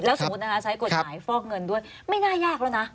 สมมุตินะคะใช้กฎหมายฟอกเงินด้วยไม่น่ายากแล้วนะ